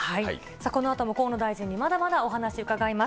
このあとも河野大臣にまだまだお話伺います。